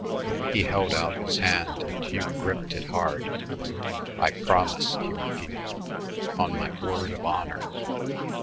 He held out his hand, and Hugh gripped it hard. "I promise," he repeated, "on my word of honor."